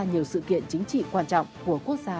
nhiều sự kiện chính trị quan trọng của quốc gia